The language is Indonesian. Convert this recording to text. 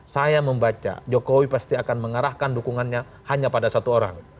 saya membaca jokowi pasti akan mengarahkan dukungannya hanya pada satu orang